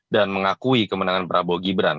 dan mengakui kemenangan prabowo gibran